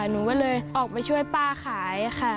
หนูก็เลยออกไปช่วยป้าขายค่ะ